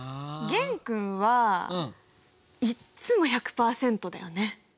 玄君はいっつも１００％だよね。